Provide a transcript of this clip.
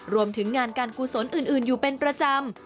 รวมถึงงานการกุศลอื่นอยู่เป็นประจำ